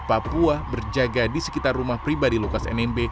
papua berjaga di sekitar rumah pribadi lukas nmb